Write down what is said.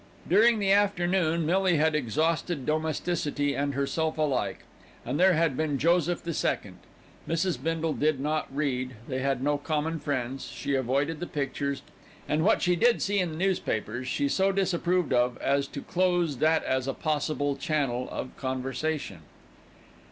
During the afternoon, Millie had exhausted domesticity and herself alike and there had been Joseph the Second. Mrs. Bindle did not read, they had no common friends, she avoided the pictures, and what she did see in the newspapers she so disapproved of as to close that as a possible channel of conversation.